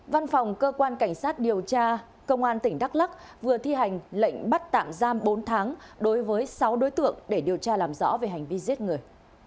văn phòng cơ quan cảnh sát điều tra công an tỉnh đắk lắc vừa thi hành lệnh bắt tạm giam bốn tháng đối với sáu đối tượng để điều tra làm rõ về hành vi giết người